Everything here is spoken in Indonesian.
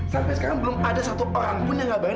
sampai sekarang belum ada satu orang pun yang ngabarin